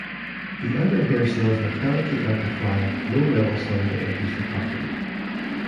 The outer hair cells mechanically amplify low-level sound that enters the cochlea.